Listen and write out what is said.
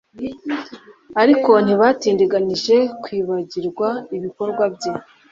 ariko ntibatindiganyije kwibagirwa ibikorwa bye